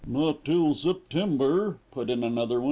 "Not till September," put in another.